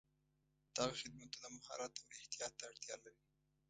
دغه خدمتونه مهارت او احتیاط ته اړتیا لري.